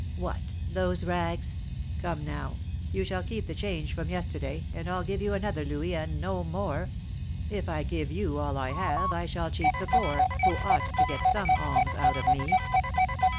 "What! those rags? Come, now, you shall keep the change from yesterday, and I'll give you another louis, and no more. If I give you all I have, I shall cheat the poor, who ought to get some alms out of me."